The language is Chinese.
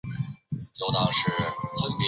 总部位于东京都立川市营运基地敷地内。